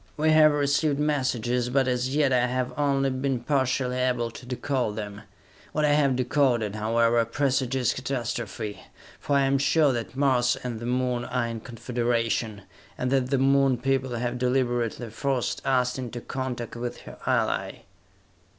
We have received messages, but as yet I have only been partially able to decode them! What I have decoded, however, presages catastrophe for I am sure that Mars and the Moon are in confederation, and that the Moon people have deliberately forced us into contact with her ally!"